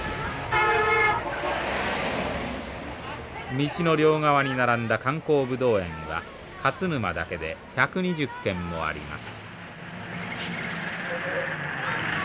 道の両側に並んだ観光ブドウ園は勝沼だけで１２０軒もあります。